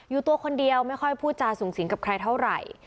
ตัวคนเดียวไม่ค่อยพูดจาสูงสิงกับใครเท่าไหร่